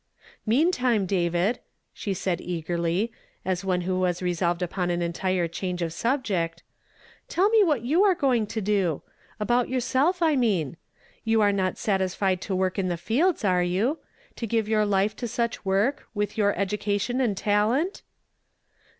''Meantime, David," she added eagerly, as one who was resolved upon an entire change of sul) ject, "tell me what you are going to do? Abont yourself, [ mean? You are not satisfied to work in the fields, are yon ? To give your life to such work, wiih your education and talent?"